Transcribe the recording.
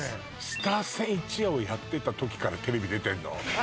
「スター千一夜」をやってたときからテレビ出てんの？